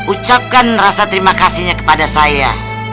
ucapkan rasa terima kasihnya kepada saya